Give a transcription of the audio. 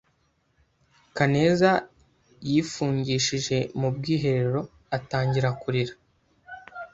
Kaneza yifungishije mu bwiherero atangira kurira.